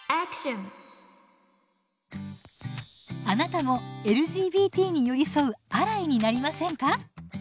あなたもＬＧＢＴに寄り添うアライになりませんか？